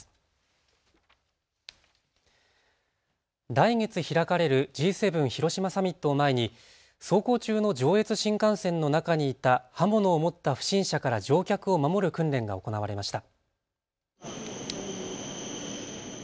来月開かれるＧ７広島サミットを前に走行中の上越新幹線の中にいた刃物を持った不審者から乗客を守る訓練が行われました。